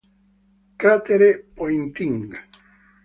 Cratere Poynting